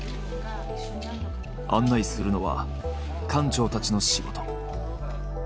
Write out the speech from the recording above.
案内するのは館長たちの仕事。